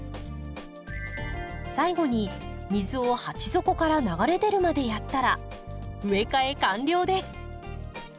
最後に水を鉢底から流れ出るまでやったら植え替え完了です。